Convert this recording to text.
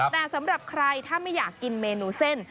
แต่สำหรับใครถ้าไม่อยากกินเมนูเส้น